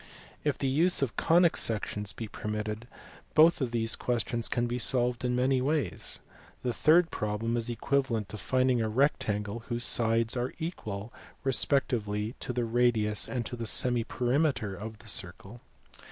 If the use of the conic sections be permitted, both of these questions can be solved in many ways. The third problem is equivalent to finding a rectangle whose sides are equal respectively to the radius and to the semiperimeter of the circle.